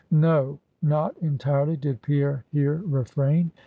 No; not entirely did Pierre here refrain.